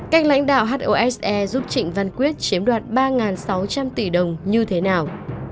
cách lãnh đạo hose giúp trịnh văn quyết chiếm đoạt ba sáu trăm linh tỷ đồng như thế nào